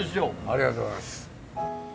ありがとうございます。